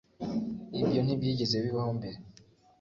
Ibyo ntibyigeze bibaho mbere